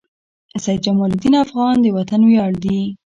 سيد جمال الدین افغان د وطن وياړ دي.